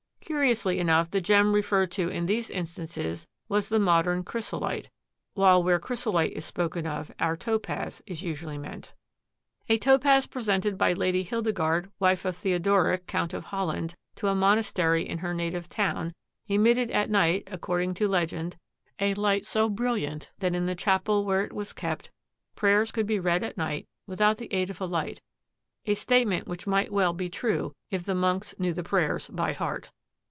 Curiously enough, the gem referred to in these instances was the modern chrysolite, while where chrysolite is spoken of our Topaz is usually meant. A Topaz presented by Lady Hildegarde, wife of Theodoric, Count of Holland, to a monastery in her native town, emitted at night, according to legend, a light so brilliant that in the chapel where it was kept prayers could be read at night without the aid of a light; a statement which might well be true if the monks knew the prayers by heart.